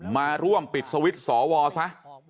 มาร่วมปิดสวิตช์สวซะ